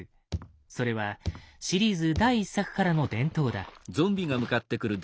それはシリーズ第１作からの伝統だ。